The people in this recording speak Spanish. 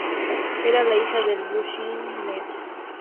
Era la hija del Vukašin Mrnjavčević.